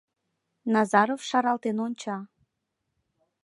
Назаров шаралтен онча.